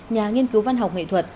nhà nghiên cứu văn học nghệ thuật